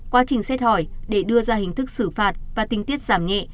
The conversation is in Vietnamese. quá trình xét hỏi để đưa ra hình thức xử phạt và tinh tiết giảm nhẹ